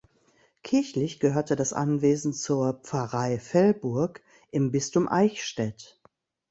Kirchlich gehörte das Anwesen zur Pfarrei Velburg im Bistum Eichstätt.